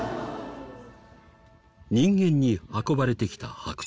人間に運ばれてきた白鳥。